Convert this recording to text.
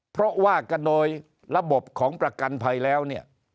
เพราะว่ากันโดยระบบของประกันภัยแล้วเนี่ย